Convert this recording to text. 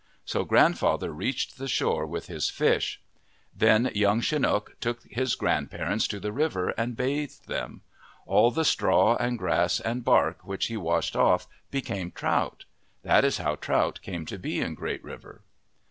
So grandfather reached the shore with his fish. Then Young Chi nook took his grandparents to the river and bathed them. All the straw and grass and bark which he washed off became trout. That is how trout came to be in Great River.